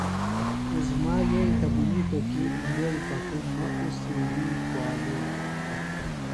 عظمیٰ یئی تھےۡ منِیتوۡ کی اِندوئی پتُوۡ مہ اُڅی وی کُوالُوم۔